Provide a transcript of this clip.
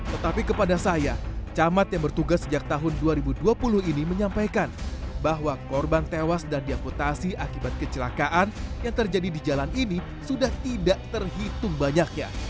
tetapi kepada saya camat yang bertugas sejak tahun dua ribu dua puluh ini menyampaikan bahwa korban tewas dan diakutasi akibat kecelakaan yang terjadi di jalan ini sudah tidak terhitung banyaknya